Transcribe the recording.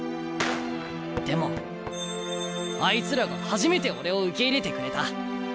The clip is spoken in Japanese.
でもあいつらが初めて俺を受け入れてくれた。